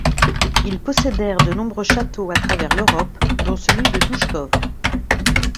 Ils possédèrent de nombreux châteaux à travers l'Europe, dont celui de Duchcov.